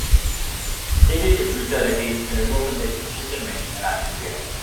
Seelische Güter dagegen können nur von wirklich guten Menschen erlangt werden.